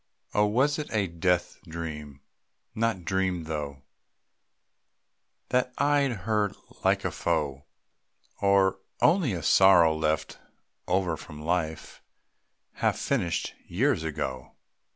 Oh, was it a death dream not dreamed through, That eyed her like a foe? Or only a sorrow left over from life, Half finished years ago?